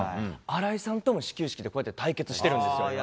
新井さんとも始球式で、こうやって対決してるんですよ。